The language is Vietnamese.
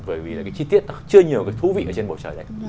vì cái chi tiết chưa nhiều thú vị trên bầu trời